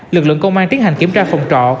lực lượng công an tiến hành kiểm tra phòng trọ